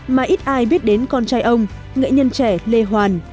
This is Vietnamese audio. mà ít ai biết đến con trai ông nghệ nhân trẻ lê hoàn